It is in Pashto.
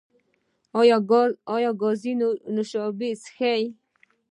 ایا ګازي نوشابې څښئ؟